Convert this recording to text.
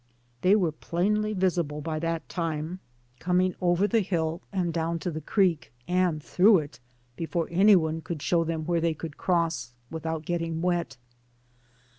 They were plainly visible by that time, coming over the hill and down to the creek and through it, before any one could show them where they could cross without getting wet.